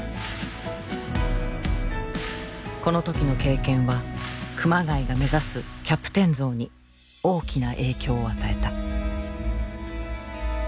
この時の経験は熊谷が目指すキャプテン像に大きな影響を与えた。